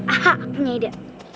aha punya ide